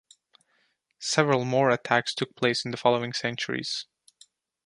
Several more attacks took place in the following centuries.